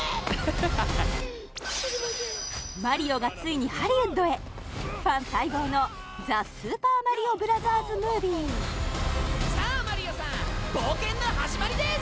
マリオがついにハリウッドへファン待望の「ザ・スーパーマリオブラザーズ・ムービー」さあマリオさん冒険の始まりです！